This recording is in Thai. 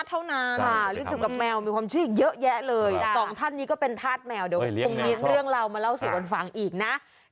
ต้องตามธรรมชาติเท่านั้น